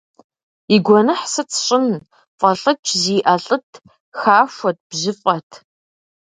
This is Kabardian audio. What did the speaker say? И гуэныхь сыту сщӏын, фӏэлӏыкӏ зиӏэ лӏыт, хахуэт, бжьыфӏэт.